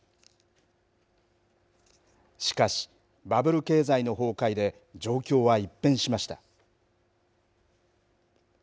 しかし、バブル経済の崩壊で状況は一変しました。